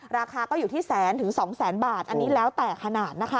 ราคาก็อยู่ที่แสนถึง๒แสนบาทอันนี้แล้วแต่ขนาดนะคะ